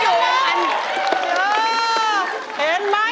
ยังมันอยู่มัน